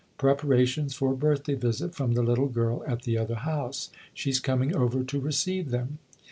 " Preparations for a birthday visit from the little girl at the other house. She's coming over to receive them."